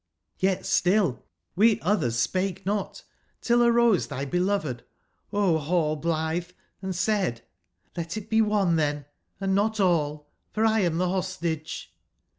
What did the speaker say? Yet still we others spake not, till arose thy beloved, Onallblithe, andsaid:'Let it be one then, and not all; for 1 am the Hostage.'